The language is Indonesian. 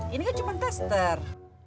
ini kan cuma tester